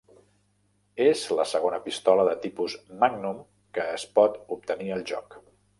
És la segona pistola de tipus "Magnum" que es pot obtenir al joc.